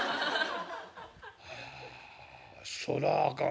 「はそらあかん」。